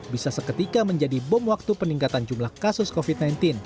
bisa seketika menjadi bom waktu peningkatan jumlah kasus covid sembilan belas